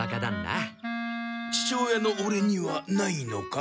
父親のオレにはないのか？